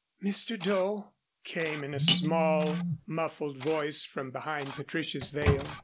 "Mr. Doe?" came in a small, muffled voice from behind Patricia's veil.